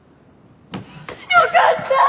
よかった。